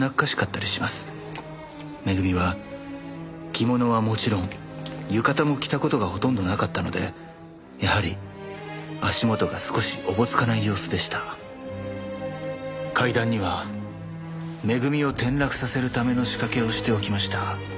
「めぐみは着物はもちろん浴衣も着た事がほとんどなかったのでやはり足元が少しおぼつかない様子でした」「階段にはめぐみを転落させるための仕掛けをしておきました」